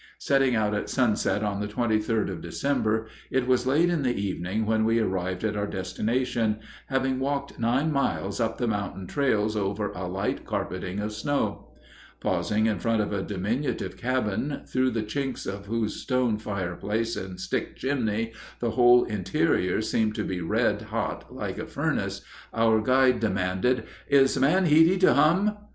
Setting out at sunset on the 23d of December, it was late in the evening when we arrived at our destination, having walked nine miles up the mountain trails over a light carpeting of snow. Pausing in front of a diminutive cabin, through the chinks of whose stone fireplace and stick chimney the whole interior seemed to be red hot like a furnace, our guide demanded, "Is Man Heady to hum?"